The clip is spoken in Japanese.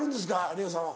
レオさんは。